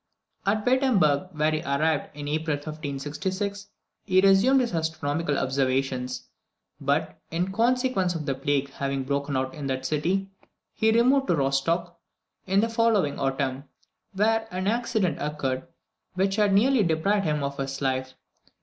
At Wittemberg, where he arrived in April 1566, he resumed his astronomical observations; but, in consequence of the plague having broken out in that city, he removed to Rostoch in the following autumn. Here an accident occurred which had nearly deprived him of his life.